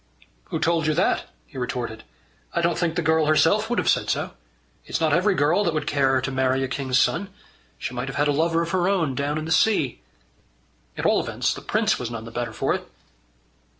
"Who told you that?" he retorted. "I don't think the girl herself would have said so. It's not every girl that would care to marry a king's son. She might have had a lover of her own down in the sea. At all events the prince was none the better for it."